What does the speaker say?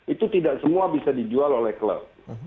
itu tidak semua bisa dijual oleh klub